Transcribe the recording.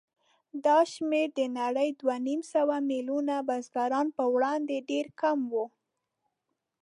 دا شمېر د نړۍ دوهنیمسوه میلیونه بزګرانو په وړاندې ډېر کم و.